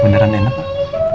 beneran enak pak